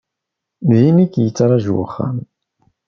Din i k-yetraju wexxam.